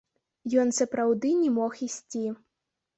Ён сапраўды не мог ісці.